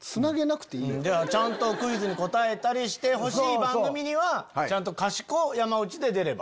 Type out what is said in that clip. ちゃんとクイズに答えたりしてほしい番組にはちゃんとかしこ山内で出れば。